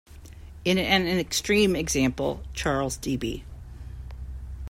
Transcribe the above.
In an extreme example, Charles D. B.